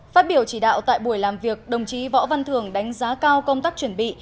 phát biểu chỉ đạo tại buổi làm việc đồng chí võ văn thường đánh giá cao công tác chuẩn bị